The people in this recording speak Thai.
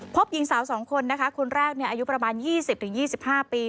หญิงสาว๒คนนะคะคนแรกอายุประมาณ๒๐๒๕ปี